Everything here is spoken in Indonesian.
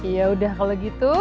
yaudah kalau gitu